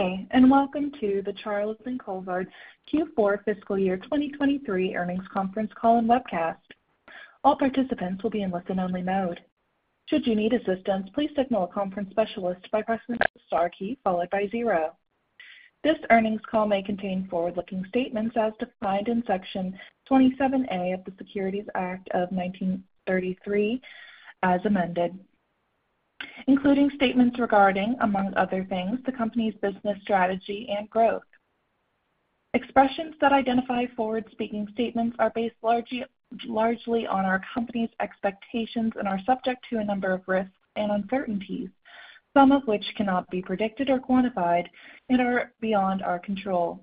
Hey, and welcome to the Charles & Colvard Q4 Fiscal Year 2023 Earnings Conference Call and Webcast. All participants will be in listen-only mode. Should you need assistance, please signal a conference specialist by pressing the star key followed by zero. This earnings call may contain forward-looking statements as defined in Section 27A of the Securities Act of 1933, as amended, including statements regarding, among other things, the company's business strategy and growth. Expressions that identify forward-looking statements are based largely, largely on our company's expectations and are subject to a number of risks and uncertainties, some of which cannot be predicted or quantified and are beyond our control.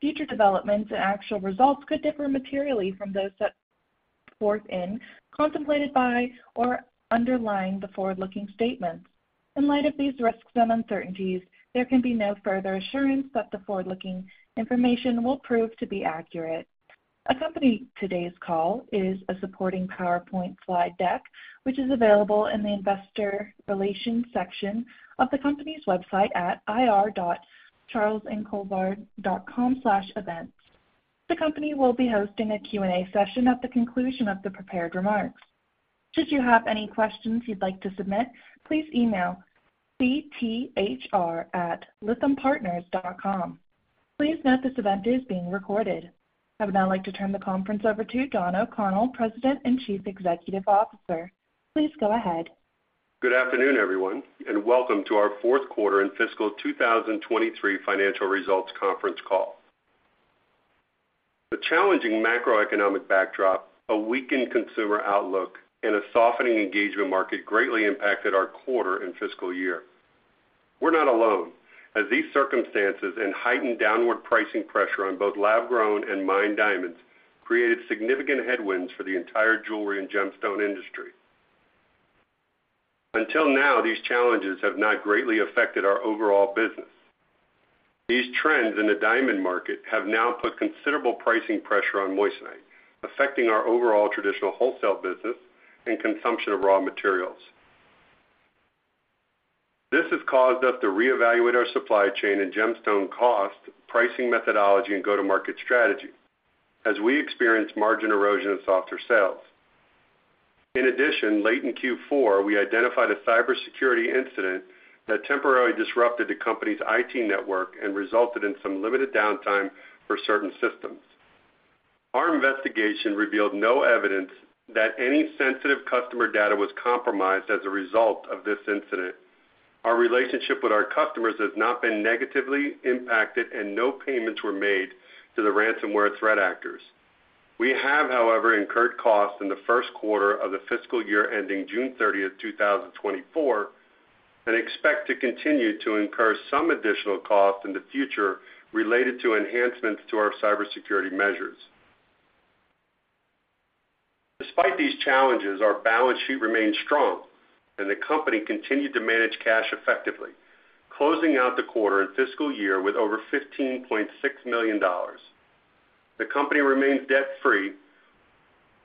Future developments and actual results could differ materially from those set forth in, contemplated by, or underlying the forward-looking statements. In light of these risks and uncertainties, there can be no further assurance that the forward-looking information will prove to be accurate. Accompanying today's call is a supporting PowerPoint slide deck, which is available in the Investor Relations section of the company's website at ir.charlesandcolvard.com/events. The company will be hosting a Q&A session at the conclusion of the prepared remarks. Should you have any questions you'd like to submit, please email cthr@lythampartners.com. Please note, this event is being recorded. I would now like to turn the conference over to Don O'Connell, President and Chief Executive Officer. Please go ahead. Good afternoon, everyone, and welcome to our fourth quarter and fiscal 2023 financial results conference call. The challenging macroeconomic backdrop, a weakened consumer outlook, and a softening engagement market greatly impacted our quarter and fiscal year. We're not alone, as these circumstances and heightened downward pricing pressure on both lab-grown and mined diamonds created significant headwinds for the entire jewelry and gemstone industry. Until now, these challenges have not greatly affected our overall business. These trends in the diamond market have now put considerable pricing pressure on moissanite, affecting our overall traditional wholesale business and consumption of raw materials. This has caused us to reevaluate our supply chain and gemstone cost, pricing methodology, and go-to-market strategy as we experience margin erosion and softer sales. In addition, late in Q4, we identified a cybersecurity incident that temporarily disrupted the company's IT network and resulted in some limited downtime for certain systems. Our investigation revealed no evidence that any sensitive customer data was compromised as a result of this incident. Our relationship with our customers has not been negatively impacted, and no payments were made to the ransomware threat actors. We have, however, incurred costs in the first quarter of the fiscal year ending June 30, 2024, and expect to continue to incur some additional costs in the future related to enhancements to our cybersecurity measures. Despite these challenges, our balance sheet remains strong and the company continued to manage cash effectively, closing out the quarter and fiscal year with over $15.6 million. The company remains debt-free,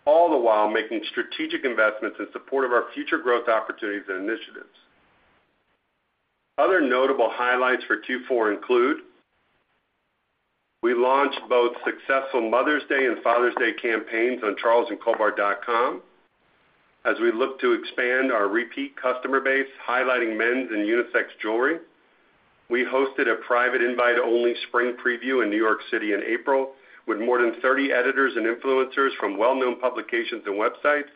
all the while making strategic investments in support of our future growth opportunities and initiatives. Other notable highlights for Q4 include: We launched both successful Mother's Day and Father's Day campaigns on charlesandcolvard.com. As we look to expand our repeat customer base, highlighting men's and unisex jewelry, we hosted a private invite-only spring preview in New York City in April, with more than 30 editors and influencers from well-known publications and websites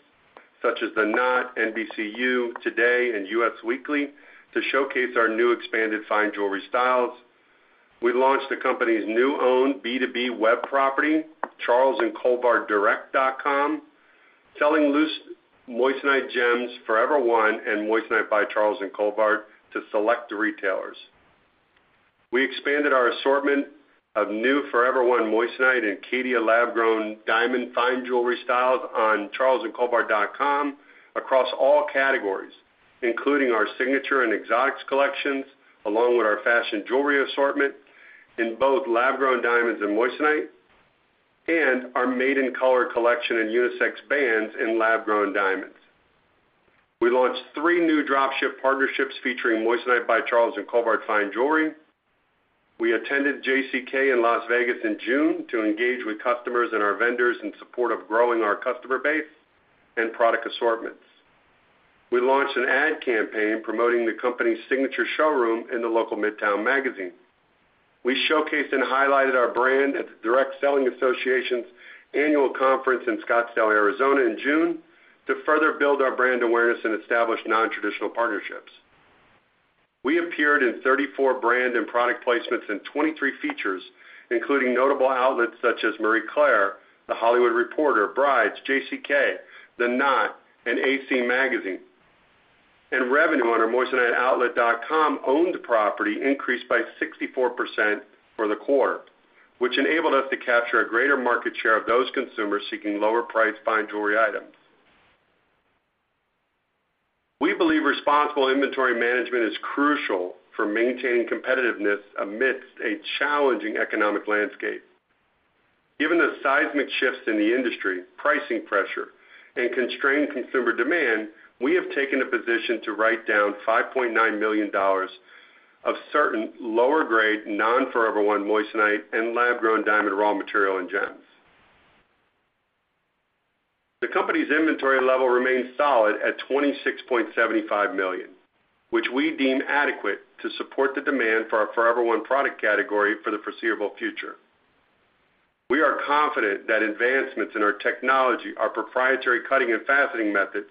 such as The Knot, NBCU, TODAY, and Us Weekly to showcase our new expanded fine jewelry styles. We launched the company's new owned B2B web property, charlesandcolvarddirect.com, selling loose Moissanite gems, Forever One, and Moissanite by Charles & Colvard to select retailers. We expanded our assortment of new Forever One moissanite and Caydia lab-grown diamond fine jewelry styles on charlesandcolvard.com across all categories, including our Signature and Exotics collections, along with our fashion jewelry assortment in both lab-grown diamonds and moissanite, and our Made in Color collection and unisex bands in lab-grown diamonds. We launched three new drop ship partnerships featuring Moissanite by Charles & Colvard Fine Jewelry. We attended JCK in Las Vegas in June to engage with customers and our vendors in support of growing our customer base and product assortments. We launched an ad campaign promoting the company's signature showroom in the local Midtown Magazine. We showcased and highlighted our brand at the Direct Selling Association's annual conference in Scottsdale, Arizona, in June to further build our brand awareness and establish nontraditional partnerships. We appeared in 34 brand and product placements in 23 features, including notable outlets such as Marie Claire, The Hollywood Reporter, Brides, JCK, The Knot, and AC Magazine. Revenue on our moissaniteoutlet.com owned property increased by 64% for the quarter, which enabled us to capture a greater market share of those consumers seeking lower-priced fine jewelry items. We believe responsible inventory management is crucial for maintaining competitiveness amidst a challenging economic landscape.... Given the seismic shifts in the industry, pricing pressure, and constrained consumer demand, we have taken a position to write down $5.9 million of certain lower-grade, non-Forever One moissanite and lab-grown diamond raw material and gems. The company's inventory level remains solid at $26.75 million, which we deem adequate to support the demand for our Forever One product category for the foreseeable future. We are confident that advancements in our technology, our proprietary cutting and faceting methods,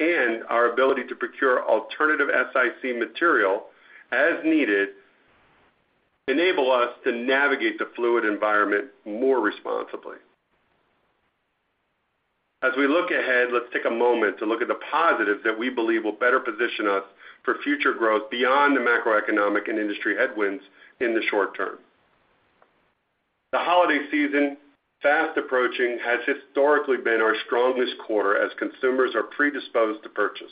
and our ability to procure alternative SiC material as needed, enable us to navigate the fluid environment more responsibly. As we look ahead, let's take a moment to look at the positives that we believe will better position us for future growth beyond the macroeconomic and industry headwinds in the short term. The holiday season, fast approaching, has historically been our strongest quarter as consumers are predisposed to purchase.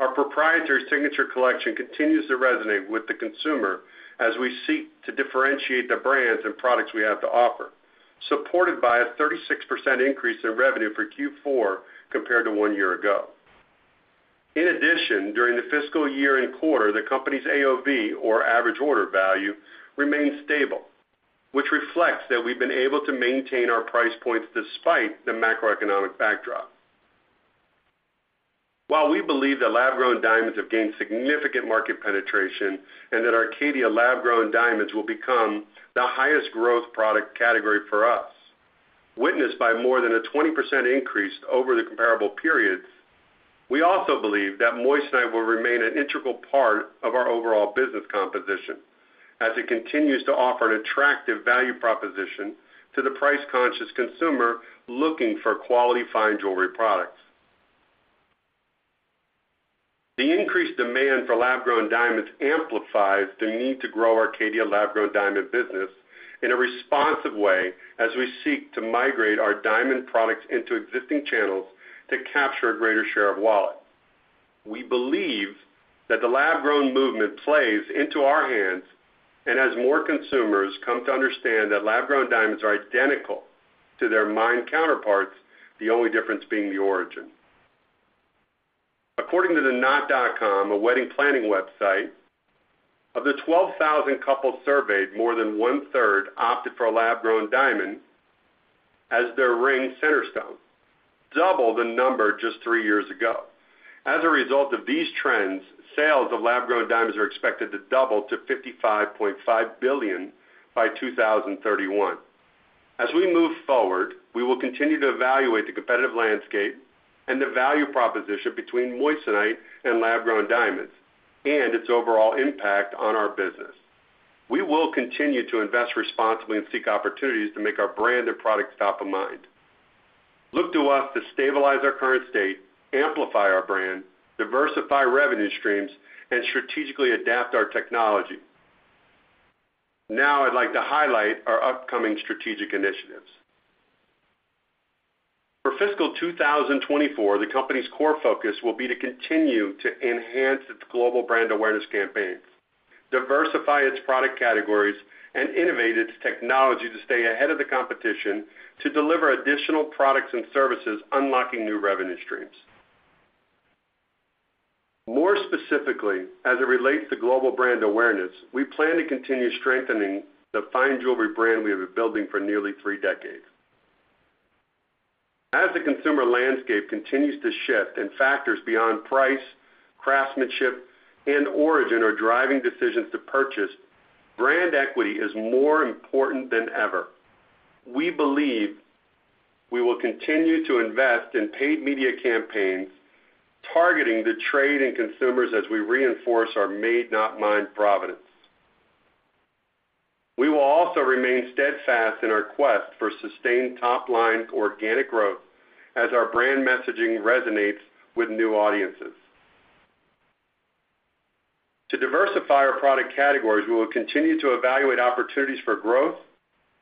Our proprietary Signature Collection continues to resonate with the consumer as we seek to differentiate the brands and products we have to offer, supported by a 36% increase in revenue for Q4 compared to one year ago. In addition, during the fiscal year and quarter, the company's AOV, or average order value, remained stable, which reflects that we've been able to maintain our price points despite the macroeconomic backdrop. While we believe that lab-grown diamonds have gained significant market penetration and that Caydia lab-grown diamonds will become the highest growth product category for us, witnessed by more than a 20% increase over the comparable periods, we also believe that moissanite will remain an integral part of our overall business composition as it continues to offer an attractive value proposition to the price-conscious consumer looking for quality fine jewelry products. The increased demand for lab-grown diamonds amplifies the need to grow Caydia lab-grown diamond business in a responsive way as we seek to migrate our diamond products into existing channels to capture a greater share of wallet. We believe that the lab-grown movement plays into our hands, and as more consumers come to understand that lab-grown diamonds are identical to their mined counterparts, the only difference being the origin. According to TheKnot.com, a wedding planning website, of the 12,000 couples surveyed, more than 1/3 opted for a lab-grown diamond as their ring center stone, double the number just three years ago. As a result of these trends, sales of lab-grown diamonds are expected to double to $55.5 billion by 2031. As we move forward, we will continue to evaluate the competitive landscape and the value proposition between moissanite and lab-grown diamonds and its overall impact on our business. We will continue to invest responsibly and seek opportunities to make our brand and products top of mind. Look to us to stabilize our current state, amplify our brand, diversify revenue streams, and strategically adapt our technology. Now, I'd like to highlight our upcoming strategic initiatives. For fiscal 2024, the company's core focus will be to continue to enhance its global brand awareness campaigns, diversify its product categories, and innovate its technology to stay ahead of the competition to deliver additional products and services, unlocking new revenue streams. More specifically, as it relates to global brand awareness, we plan to continue strengthening the fine jewelry brand we have been building for nearly three decades. As the consumer landscape continues to shift and factors beyond price, craftsmanship, and origin are driving decisions to purchase, brand equity is more important than ever. We believe we will continue to invest in paid media campaigns, targeting the trade and consumers as we reinforce our made-not-mined [providence] We will also remain steadfast in our quest for sustained top-line organic growth as our brand messaging resonates with new audiences. To diversify our product categories, we will continue to evaluate opportunities for growth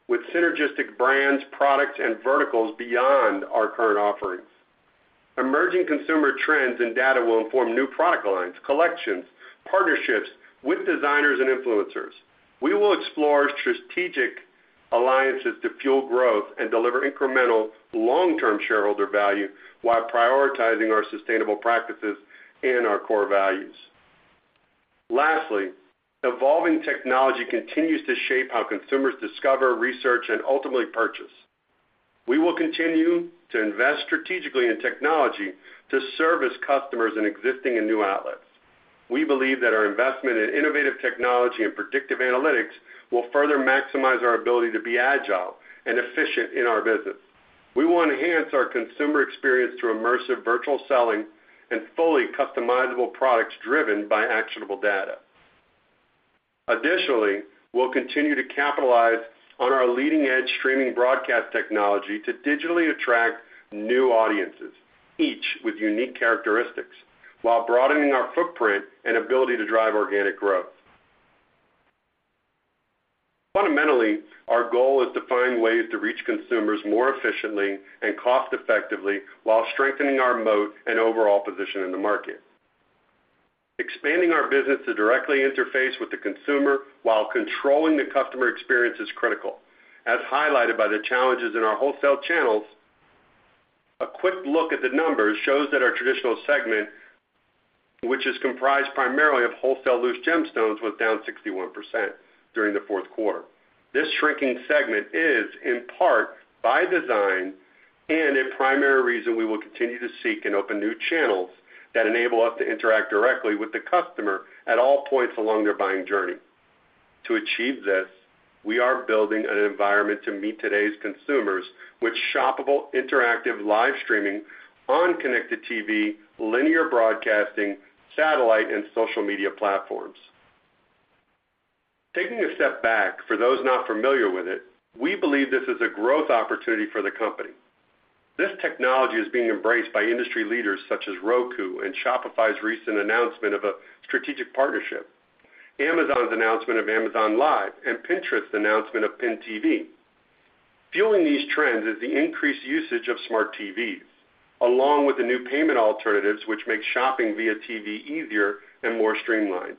with synergistic brands, products, and verticals beyond our current offerings. Emerging consumer trends and data will inform new product lines, collections, partnerships with designers and influencers. We will explore strategic alliances to fuel growth and deliver incremental long-term shareholder value while prioritizing our sustainable practices and our core values. Lastly, evolving technology continues to shape how consumers discover, research, and ultimately purchase. We will continue to invest strategically in technology to service customers in existing and new outlets. We believe that our investment in innovative technology and predictive analytics will further maximize our ability to be agile and efficient in our business. We will enhance our consumer experience through immersive virtual selling and fully customizable products driven by actionable data. Additionally, we'll continue to capitalize on our leading-edge streaming broadcast technology to digitally attract new audiences, each with unique characteristics, while broadening our footprint and ability to drive organic growth. Fundamentally, our goal is to find ways to reach consumers more efficiently and cost-effectively while strengthening our moat and overall position in the market. Expanding our business to directly interface with the consumer while controlling the customer experience is critical. As highlighted by the challenges in our wholesale channels, a quick look at the numbers shows that our traditional segment, which is comprised primarily of wholesale loose gemstones, was down 61% during the fourth quarter. This shrinking segment is, in part, by design and a primary reason we will continue to seek and open new channels that enable us to interact directly with the customer at all points along their buying journey. To achieve this, we are building an environment to meet today's consumers with shoppable, interactive, live streaming on connected TV, linear broadcasting, satellite, and social media platforms. Taking a step back, for those not familiar with it, we believe this is a growth opportunity for the company. This technology is being embraced by industry leaders such as Roku and Shopify's recent announcement of a strategic partnership, Amazon's announcement of Amazon Live, and Pinterest's announcement of Pin TV. Fueling these trends is the increased usage of smart TVs, along with the new payment alternatives, which make shopping via TV easier and more streamlined.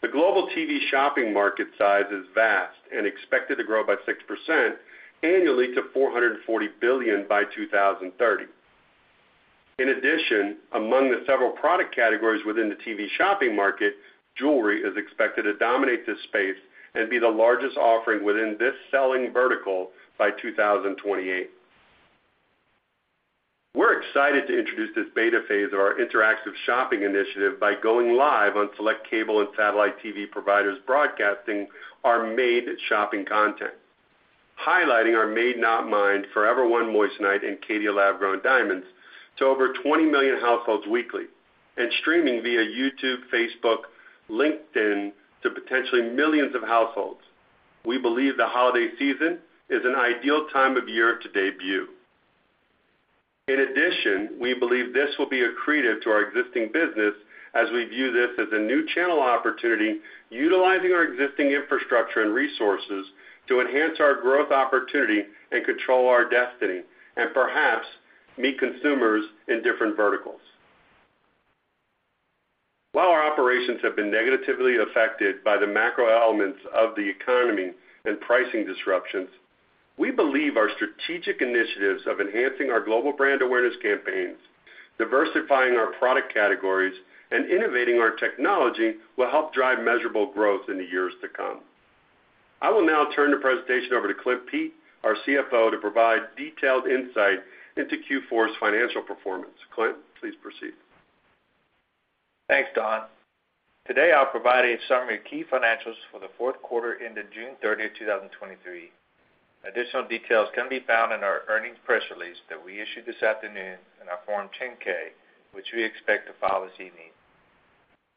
The global TV shopping market size is vast and expected to grow by 6% annually to $440 billion by 2030. In addition, among the several product categories within the TV shopping market, jewelry is expected to dominate this space and be the largest offering within this selling vertical by 2028. We're excited to introduce this beta phase of our interactive shopping initiative by going live on select cable and satellite TV providers broadcasting our Made Shopping content. Highlighting our Made, not Mined Forever One moissanite and Caydia lab-grown diamonds to over 20 million households weekly and streaming via YouTube, Facebook, LinkedIn, to potentially millions of households. We believe the holiday season is an ideal time of year to debut. In addition, we believe this will be accretive to our existing business as we view this as a new channel opportunity, utilizing our existing infrastructure and resources to enhance our growth opportunity and control our destiny, and perhaps meet consumers in different verticals. While our operations have been negatively affected by the macro elements of the economy and pricing disruptions, we believe our strategic initiatives of enhancing our global brand awareness campaigns, diversifying our product categories, and innovating our technology will help drive measurable growth in the years to come. I will now turn the presentation over to Clint Pete, our CFO, to provide detailed insight into Q4's financial performance. Clint, please proceed. Thanks, Don. Today, I'll provide a summary of key financials for the fourth quarter into June 30, 2023. Additional details can be found in our earnings press release that we issued this afternoon in our Form 10-K, which we expect to file this evening.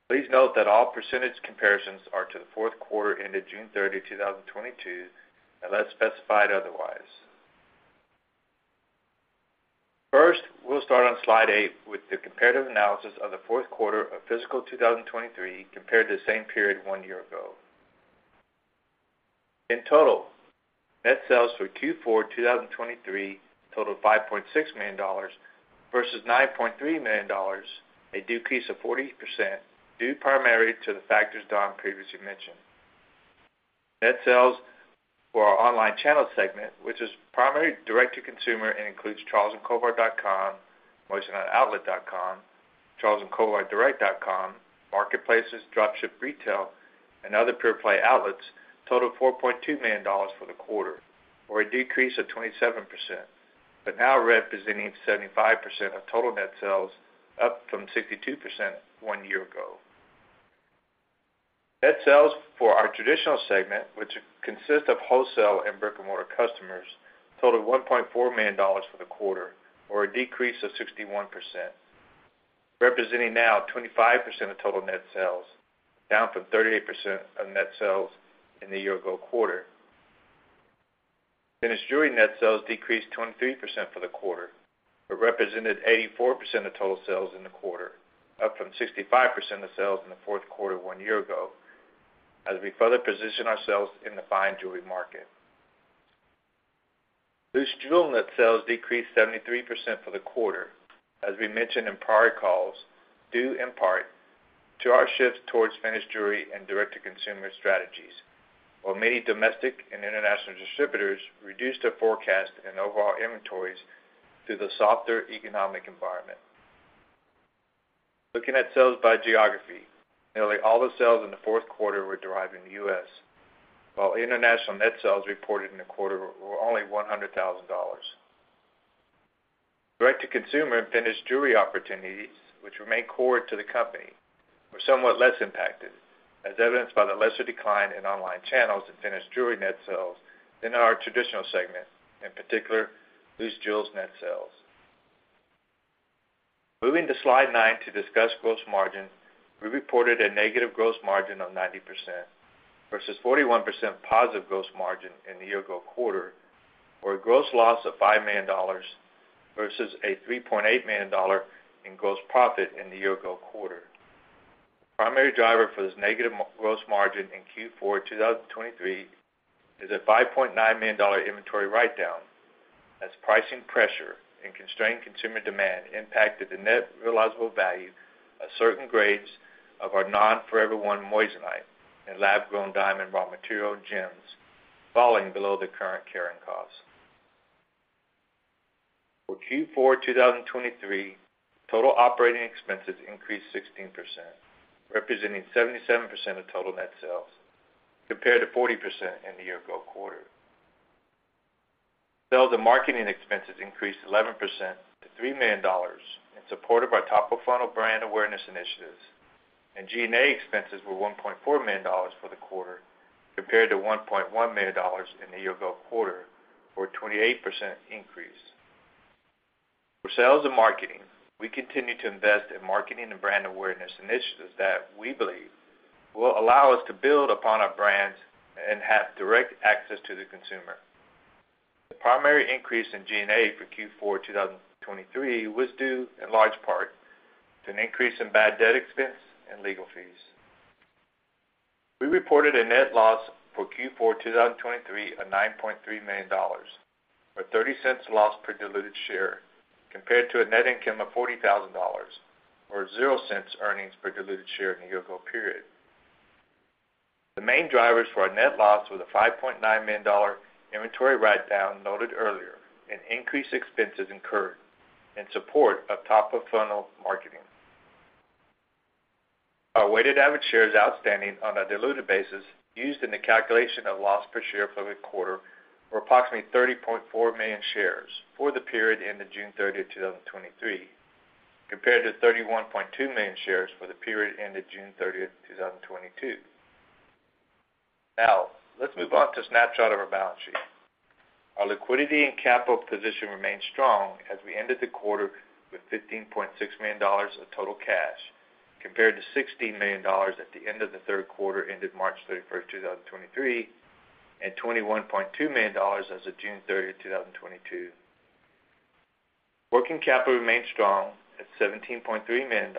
Please note that all percentage comparisons are to the fourth quarter, ended June 30, 2022, unless specified otherwise. First, we'll start on slide eight with the comparative analysis of the fourth quarter of fiscal 2023 compared to the same period one year ago. In total, net sales for Q4 2023 totaled $5.6 million versus $9.3 million, a decrease of 40%, due primarily to the factors Don previously mentioned. Net sales for our online channel segment, which is primarily direct-to-consumer and includes charlesandcolvard.com, moissaniteoutlet.com, charlesandcolvarddirect.com, marketplaces, drop-ship, retail, and other pure play outlets, totaled $4.2 million for the quarter, or a decrease of 27%, but now representing 75% of total net sales, up from 62% one year ago. Net sales for our traditional segment, which consists of wholesale and brick-and-mortar customers, totaled $1.4 million for the quarter, or a decrease of 61%, representing now 25% of total net sales, down from 38% of net sales in the year-ago quarter. Finished jewelry net sales decreased 23% for the quarter, but represented 84% of total sales in the quarter, up from 65% of sales in the fourth quarter one year ago, as we further position ourselves in the fine jewelry market. Loose jewel net sales decreased 73% for the quarter, as we mentioned in prior calls, due in part to our shift towards finished jewelry and direct-to-consumer strategies, while many domestic and international distributors reduced their forecast and overall inventories through the softer economic environment. Looking at sales by geography, nearly all the sales in the fourth quarter were derived in the U.S., while international net sales reported in the quarter were only $100,000. Direct-to-consumer and finished jewelry opportunities, which remain core to the company, were somewhat less impacted, as evidenced by the lesser decline in online channels and finished jewelry net sales in our traditional segment, in particular, loose jewels net sales. Moving to slide nine to discuss gross margin. We reported a negative gross margin of 90% versus 41% positive gross margin in the year-ago quarter, or a gross loss of $5 million versus a $3.8 million in gross profit in the year-ago quarter. The primary driver for this negative gross margin in Q4 2023 is a $5.9 million inventory write-down as pricing pressure and constrained consumer demand impacted the net realizable value of certain grades of our non-Forever One moissanite and lab-grown diamond raw material gems, falling below the current carrying cost. For Q4 2023, total operating expenses increased 16%, representing 77% of total net sales, compared to 40% in the year ago quarter. Sales and marketing expenses increased 11% to $3 million in support of our top-of-funnel brand awareness initiatives, and G&A expenses were $1.4 million for the quarter, compared to $1.1 million in the year ago quarter, for a 28% increase. For sales and marketing, we continue to invest in marketing and brand awareness initiatives that we believe will allow us to build upon our brands and have direct access to the consumer. The primary increase in G&A for Q4 2023 was due, in large part, to an increase in bad debt expense and legal fees. We reported a net loss for Q4 2023 of $9.3 million, or $0.30 loss per diluted share, compared to a net income of $40,000, or $0.00 earnings per diluted share in the year-ago period. The main drivers for our net loss were the $5.9 million inventory write-down noted earlier and increased expenses incurred in support of top-of-funnel marketing. Our weighted average shares outstanding on a diluted basis used in the calculation of loss per share for the quarter were approximately 30.4 million shares for the period ending June 30, 2023, compared to 31.2 million shares for the period ending June 30, 2022. Now, let's move on to a snapshot of our balance sheet. Our liquidity and capital position remained strong as we ended the quarter with $15.6 million of total cash, compared to $16 million at the end of the third quarter, ended March 31, 2023, and $21.2 million as of June 30, 2022. Working capital remained strong at $17.3 million.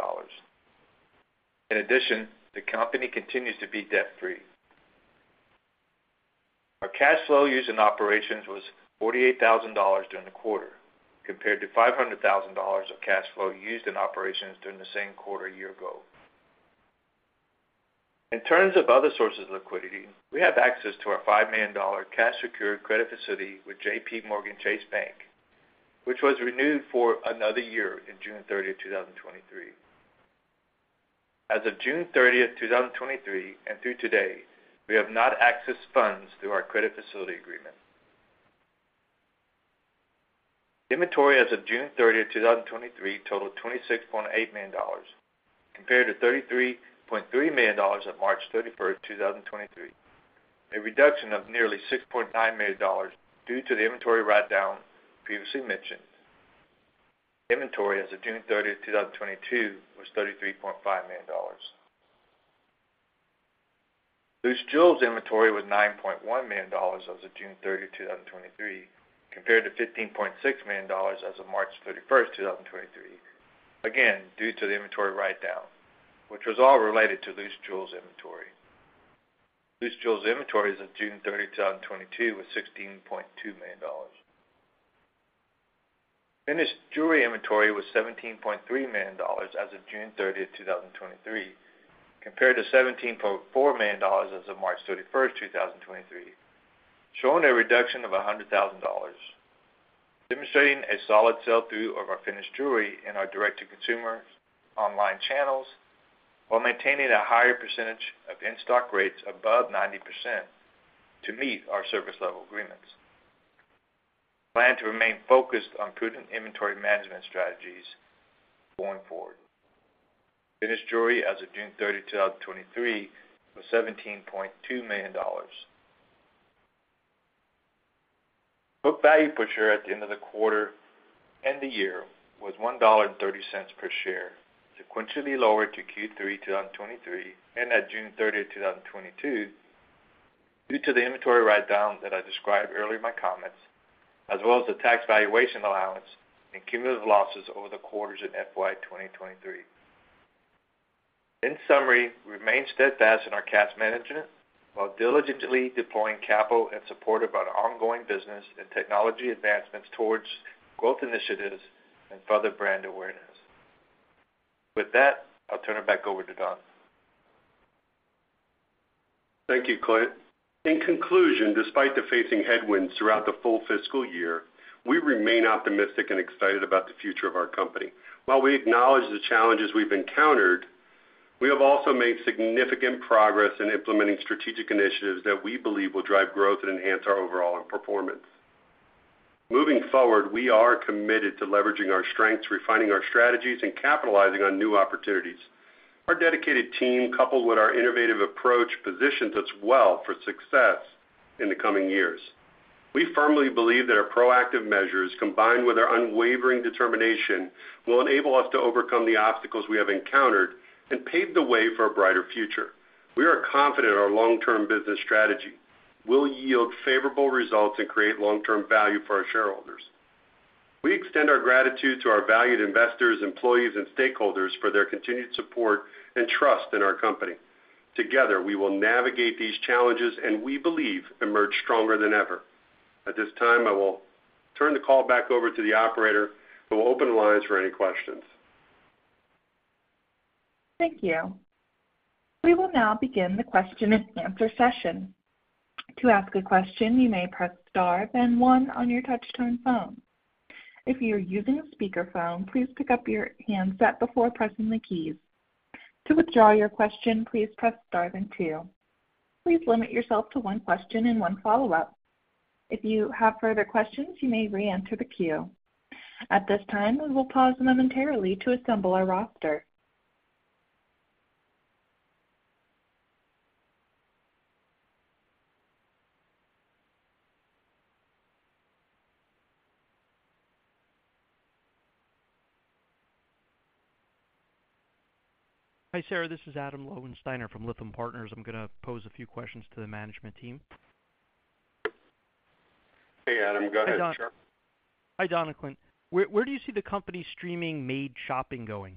In addition, the company continues to be debt-free. Our cash flow used in operations was $48,000 during the quarter, compared to $500,000 of cash flow used in operations during the same quarter a year ago. In terms of other sources of liquidity, we have access to our $5 million cash secured credit facility with JPMorgan Chase Bank, which was renewed for another year in June 30, 2023. As of June 30, 2023, and through today, we have not accessed funds through our credit facility agreement. Inventory as of June 30, 2023, totaled $26.8 million, compared to $33.3 million on March 31, 2023, a reduction of nearly $6.9 million due to the inventory write-down previously mentioned. Inventory as of June 30, 2022, was $33.5 million. Loose jewels inventory was $9.1 million as of June 30, 2023, compared to $15.6 million as of March 31, 2023. Again, due to the inventory write-down, which was all related to loose jewels inventory. Loose jewels inventory as of June 30, 2022, was $16.2 million. Finished jewelry inventory was $17.3 million as of June 30, 2023, compared to $17.4 million as of March 31, 2023, showing a reduction of $100,000, demonstrating a solid sell-through of our finished jewelry in our direct-to-consumer online channels, while maintaining a higher percentage of in-stock rates above 90% to meet our service level agreements. We plan to remain focused on prudent inventory management strategies going forward. Finished jewelry as of June 30, 2023, was $17.2 million. Book value per share at the end of the quarter and the year was $1.30 per share, sequentially lower to Q3 2023, and at June 30, 2022, due to the inventory write-down that I described earlier in my comments, as well as the tax valuation allowance and cumulative losses over the quarters in FY 2023. In summary, we remain steadfast in our cash management while diligently deploying capital in support of our ongoing business and technology advancements towards growth initiatives and further brand awareness. With that, I'll turn it back over to Don. Thank you, Clint. In conclusion, despite facing headwinds throughout the full fiscal year, we remain optimistic and excited about the future of our company. While we acknowledge the challenges we've encountered, we have also made significant progress in implementing strategic initiatives that we believe will drive growth and enhance our overall performance. Moving forward, we are committed to leveraging our strengths, refining our strategies, and capitalizing on new opportunities. Our dedicated team, coupled with our innovative approach, positions us well for success in the coming years. We firmly believe that our proactive measures, combined with our unwavering determination, will enable us to overcome the obstacles we have encountered and pave the way for a brighter future. We are confident our long-term business strategy will yield favorable results and create long-term value for our shareholders... We extend our gratitude to our valued investors, employees, and stakeholders for their continued support and trust in our company. Together, we will navigate these challenges, and we believe, emerge stronger than ever. At this time, I will turn the call back over to the operator, who will open the lines for any questions. Thank you. We will now begin the question-and-answer session. To ask a question, you may press star then one on your touchtone phone. If you're using a speakerphone, please pick up your handset before pressing the keys. To withdraw your question, please press star then two. Please limit yourself to one question and one follow-up. If you have further questions, you may reenter the queue. At this time, we will pause momentarily to assemble our roster. Hi, Sarah, this is Adam Lowensteiner from Lytham Partners. I'm going to pose a few questions to the management team. Hey, Adam. Go ahead, sure. Hi, Don and Clint. Where do you see the company streaming Made Shopping going?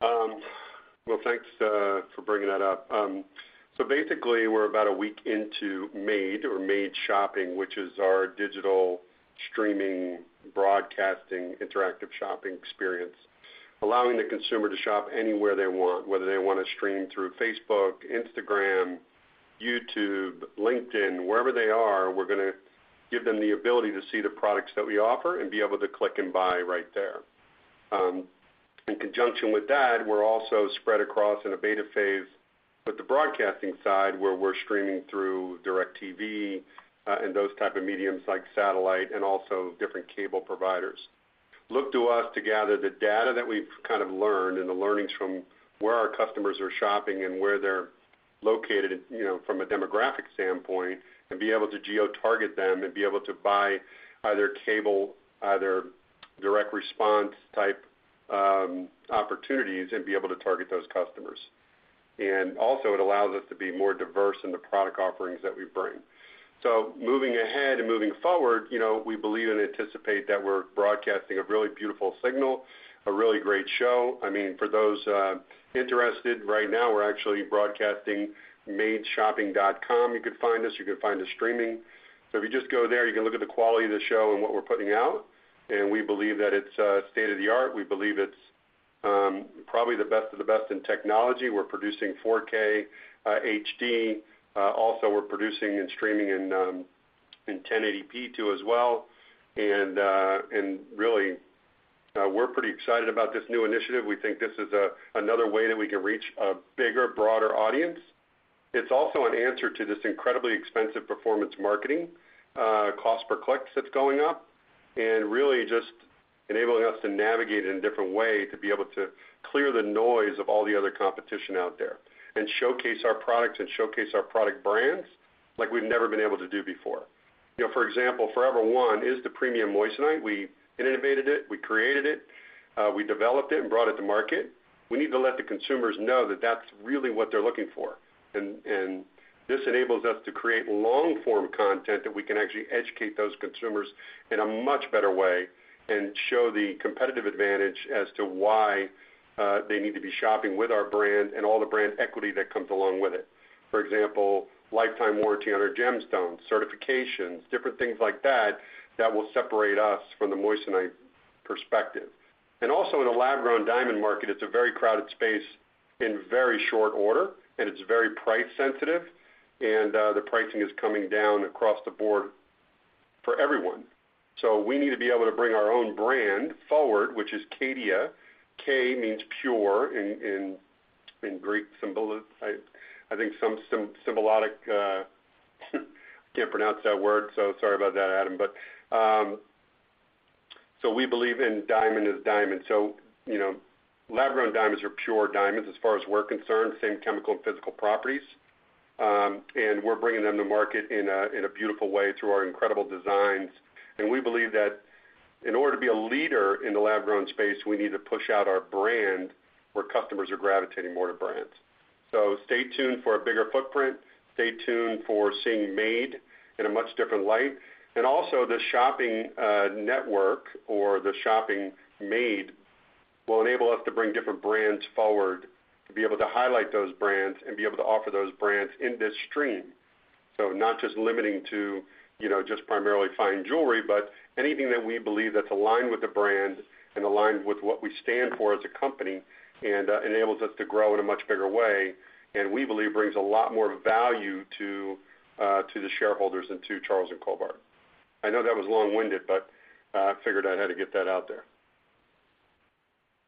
Well, thanks for bringing that up. So basically, we're about a week into Made Shopping, which is our digital streaming, broadcasting, interactive shopping experience, allowing the consumer to shop anywhere they want, whether they want to stream through Facebook, Instagram, YouTube, LinkedIn, wherever they are, we're going to give them the ability to see the products that we offer and be able to click and buy right there. In conjunction with that, we're also spread across in a beta phase with the broadcasting side, where we're streaming through DirecTV and those type of mediums, like satellite and also different cable providers. Look to us to gather the data that we've kind of learned and the learnings from where our customers are shopping and where they're located, you know, from a demographic standpoint, and be able to geo-target them and be able to buy either cable, either direct response type, opportunities and be able to target those customers. And also it allows us to be more diverse in the product offerings that we bring. So moving ahead and moving forward, you know, we believe and anticipate that we're broadcasting a really beautiful signal, a really great show. I mean, for those interested, right now, we're actually broadcasting madeshopping.com. You could find us, you could find the streaming. So if you just go there, you can look at the quality of the show and what we're putting out, and we believe that it's state-of-the-art. We believe it's probably the best of the best in technology. We're producing 4K HD. Also, we're producing and streaming in 1080p, too, as well. Really, we're pretty excited about this new initiative. We think this is another way that we can reach a bigger, broader audience. It's also an answer to this incredibly expensive performance marketing, cost per click that's going up, and really just enabling us to navigate in a different way, to be able to clear the noise of all the other competition out there and showcase our products and showcase our product brands like we've never been able to do before. You know, for example, Forever One is the premium moissanite. We innovated it, we created it, we developed it and brought it to market. We need to let the consumers know that that's really what they're looking for. And, and this enables us to create long-form content that we can actually educate those consumers in a much better way and show the competitive advantage as to why they need to be shopping with our brand and all the brand equity that comes along with it. For example, lifetime warranty on our gemstones, certifications, different things like that, that will separate us from the moissanite perspective. And also in the lab-grown diamond market, it's a very crowded space in very short order, and it's very price sensitive, and the pricing is coming down across the board for everyone. So we need to be able to bring our own brand forward, which is Caydia. Cay means pure in Greek symbol—I think some symbolic, I can't pronounce that word, so sorry about that, Adam. We believe diamond is diamond. You know, lab-grown diamonds are pure diamonds as far as we're concerned, same chemical and physical properties. We're bringing them to market in a beautiful way through our incredible designs. We believe that in order to be a leader in the lab-grown space, we need to push out our brand, where customers are gravitating more to brands. Stay tuned for a bigger footprint. Stay tuned for seeing Made in a much different light. Also, the shopping network or the shopping Made will enable us to bring different brands forward, to be able to highlight those brands and be able to offer those brands in this stream. So not just limiting to, you know, just primarily fine jewelry, but anything that we believe that's aligned with the brand and aligned with what we stand for as a company and enables us to grow in a much bigger way, and we believe brings a lot more value to the shareholders and to Charles & Colvard. I know that was long-winded, but I figured I had to get that out there.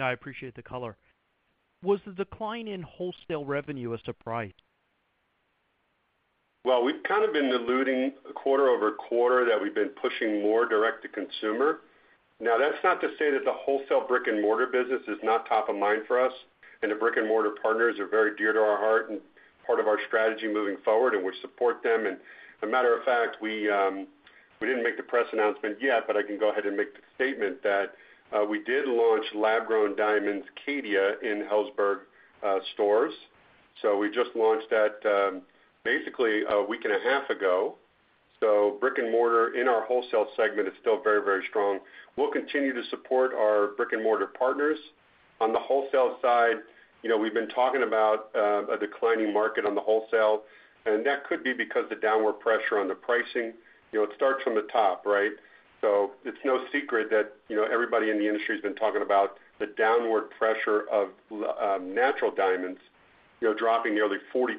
I appreciate the color. Was the decline in wholesale revenue a surprise? Well, we've kind of been alluding quarter-over-quarter that we've been pushing more direct-to-consumer. Now, that's not to say that the wholesale brick-and-mortar business is not top of mind for us, and the brick-and-mortar partners are very dear to our heart and part of our strategy moving forward, and we support them. And a matter of fact, we, we didn't make the press announcement yet, but I can go ahead and make the statement that we did launch lab-grown diamonds, Caydia, in Helzberg stores. So we just launched that, basically a week and a half ago. So brick-and-mortar in our wholesale segment is still very, very strong. We'll continue to support our brick-and-mortar partners. On the wholesale side, you know, we've been talking about a declining market on the wholesale, and that could be because the downward pressure on the pricing, you know, it starts from the top, right? So it's no secret that, you know, everybody in the industry has been talking about the downward pressure of natural diamonds, you know, dropping nearly 40%,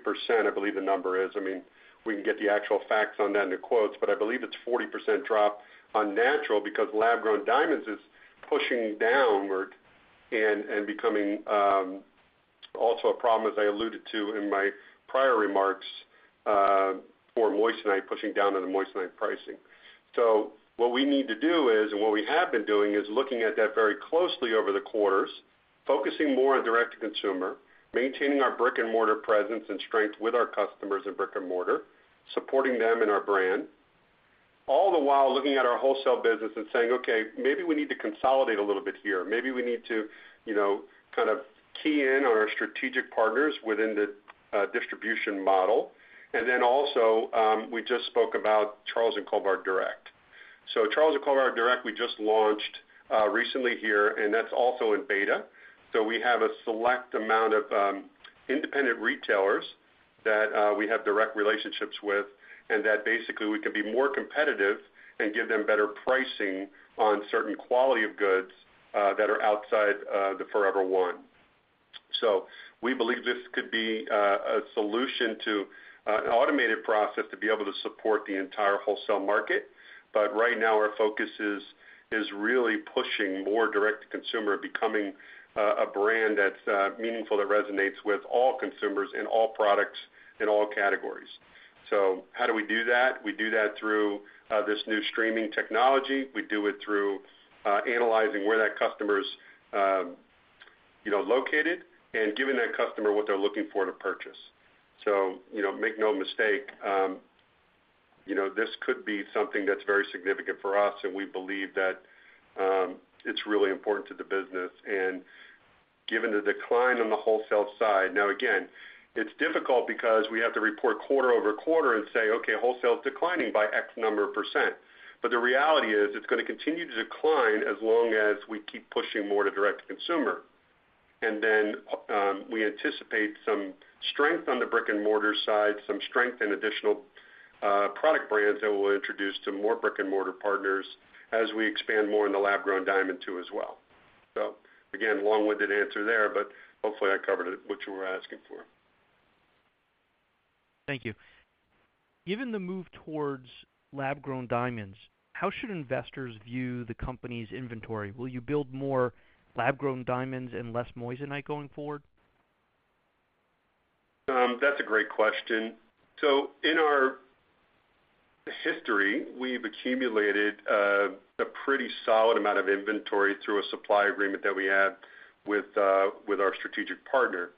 I believe the number is. I mean, we can get the actual facts on that in the quotes, but I believe it's 40% drop on natural because lab-grown diamonds is pushing downward and becoming also a problem, as I alluded to in my prior remarks, for moissanite, pushing down on the moissanite pricing. So what we need to do is, and what we have been doing, is looking at that very closely over the quarters, focusing more on direct-to-consumer, maintaining our brick-and-mortar presence and strength with our customers in brick-and-mortar, supporting them and our brand, all the while looking at our wholesale business and saying, "Okay, maybe we need to consolidate a little bit here. Maybe we need to, you know, kind of key in on our strategic partners within the distribution model." And then also, we just spoke about Charles & Colvard Direct. So Charles & Colvard Direct, we just launched recently here, and that's also in beta. So we have a select amount of independent retailers that we have direct relationships with, and that basically we can be more competitive and give them better pricing on certain quality of goods that are outside the Forever One. So we believe this could be a solution to an automated process to be able to support the entire wholesale market. But right now, our focus is really pushing more direct-to-consumer, becoming a brand that's meaningful, that resonates with all consumers in all products, in all categories. So how do we do that? We do that through this new streaming technology. We do it through analyzing where that customer's, you know, located and giving that customer what they're looking for to purchase. So, you know, make no mistake, you know, this could be something that's very significant for us, and we believe that, it's really important to the business. And given the decline on the wholesale side... Now, again, it's difficult because we have to report quarter-over-quarter and say, "Okay, wholesale is declining by X number of percent." But the reality is, it's gonna continue to decline as long as we keep pushing more to direct-to-consumer. And then, we anticipate some strength on the brick-and-mortar side, some strength in additional product brands that we'll introduce to more brick-and-mortar partners as we expand more in the lab-grown diamond, too, as well. So again, long-winded answer there, but hopefully, I covered it, what you were asking for. Thank you. Given the move towards lab-grown diamonds, how should investors view the company's inventory? Will you build more lab-grown diamonds and less moissanite going forward? That's a great question. So in our history, we've accumulated a pretty solid amount of inventory through a supply agreement that we have with our strategic partner.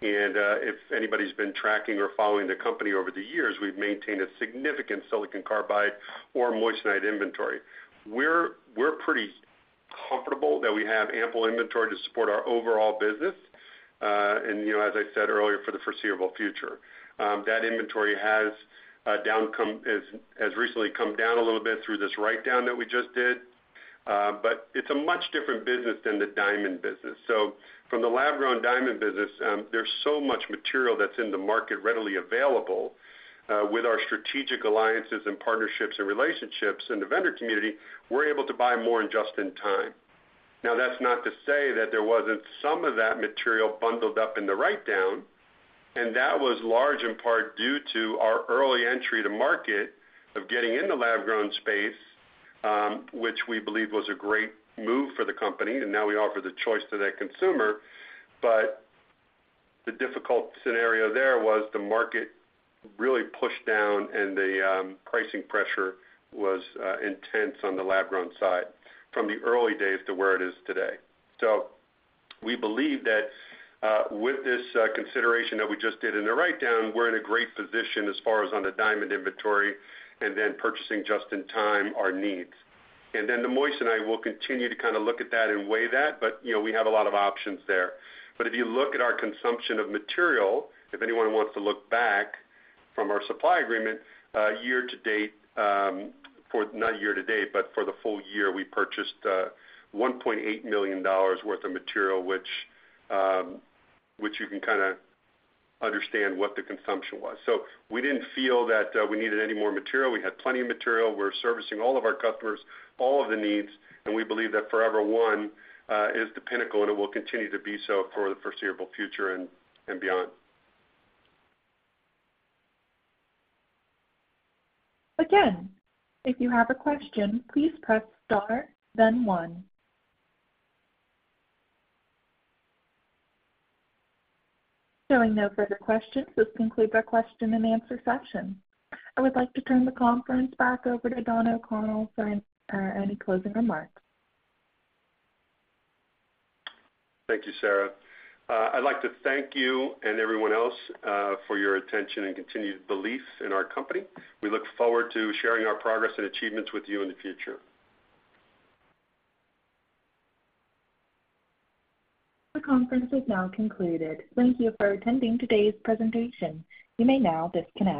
If anybody's been tracking or following the company over the years, we've maintained a significant silicon carbide or moissanite inventory. We're pretty comfortable that we have ample inventory to support our overall business, and you know, as I said earlier, for the foreseeable future. That inventory has recently come down a little bit through this write-down that we just did, but it's a much different business than the diamond business. So from the lab-grown diamond business, there's so much material that's in the market readily available. With our strategic alliances in partnerships and relationships in the vendor community, we're able to buy more and just in time. Now, that's not to say that there wasn't some of that material bundled up in the writedown, and that was large in part due to our early entry to market of getting in the lab-grown space, which we believe was a great move for the company, and now we offer the choice to that consumer. But the difficult scenario there was the market really pushed down and the, pricing pressure was, intense on the lab-grown side from the early days to where it is today. So we believe that, with this, consideration that we just did in the writedown, we're in a great position as far as on the diamond inventory and then purchasing just in time our needs. Then the moissanite, we'll continue to kind of look at that and weigh that, but, you know, we have a lot of options there. If you look at our consumption of material, if anyone wants to look back from our supply agreement, year to date, for—not year to date, but for the full year, we purchased $1.8 million worth of material, which you can kinda understand what the consumption was. We didn't feel that we needed any more material. We had plenty of material. We're servicing all of our customers, all of the needs, and we believe that Forever One is the pinnacle, and it will continue to be so for the foreseeable future and, and beyond. Again, if you have a question, please press star, then one. Showing no further questions, this concludes our question-and-answer session. I would like to turn the conference back over to Don O'Connell for any, any closing remarks. Thank you, Sarah. I'd like to thank you and everyone else for your attention and continued belief in our company. We look forward to sharing our progress and achievements with you in the future. The conference is now concluded. Thank you for attending today's presentation. You may now disconnect.